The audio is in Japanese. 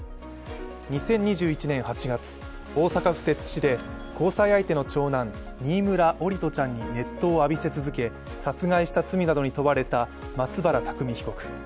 ２０２１年８月、大阪府摂津市で交際相手の長男・新村桜利斗ちゃんに熱湯を浴びせ続け殺害した罪などに問われた松原拓海被告。